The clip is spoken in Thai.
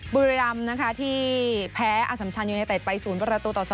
บุรีรำนะคะที่แพ้อสัมชันยูเนเต็ดไป๐ประตูต่อ๒